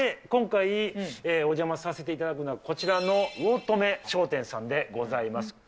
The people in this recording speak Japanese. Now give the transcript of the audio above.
今回、お邪魔させていただくのは、こちらの魚留商店さんでございます。